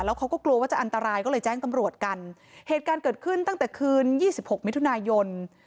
เขาก็กลัวว่าจะอันตรายก็เลยแจ้งตำรวจกันเหตุการณ์เกิดขึ้นตั้งแต่คืนยี่สิบหกมิถุนายน